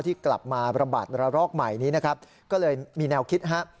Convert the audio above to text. ที่กลับมาระบาดระลอกใหม่นี้นะครับก็เลยมีแนวคิดฮะ